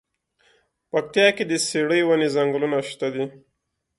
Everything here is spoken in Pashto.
پکتيا کی د څیړۍ ونی ځنګلونه شته دی.